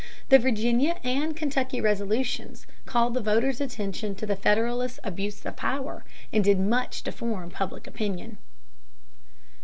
The Virginia and Kentucky Resolutions called the voter's attention to the Federalist abuse of power and did much to form public opinion.